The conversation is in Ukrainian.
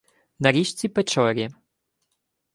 на річці Печорі